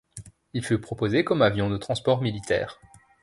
Il fut proposé comme avion de transport militaire.